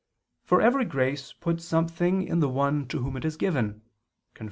For every grace puts something in the one to whom it is given (Cf.